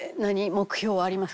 目標はありますか？